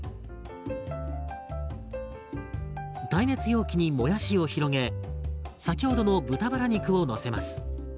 耐熱容器にもやしを広げ先ほどの豚バラ肉をのせます。